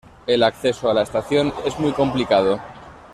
El acceso a la estación es muy complicado.